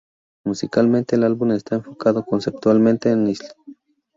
Musicalmente, el álbum está enfocado conceptualmente en su Islandia natal.